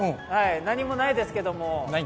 何もないですけども。